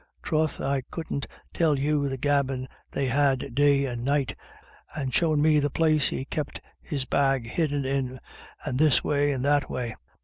Troth, I couldn't tell you the gabbin' they had day and night — and showin' me the place he kep' his bag hidden in — and this way and that way.